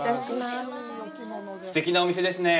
すてきなお店ですね。